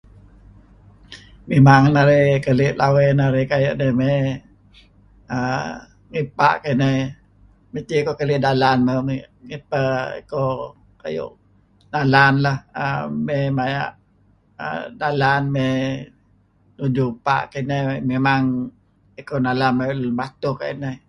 Mimang narih keli' lawey narih kayu' mey err ngi ebpa' kinah, mesti koh keli' dalan ngipah iko kayu' nalan lah. Mey' maya' err dalan mey nuju ebpa' kinah memang iko nalan maya' luun batuh kayu' ineh.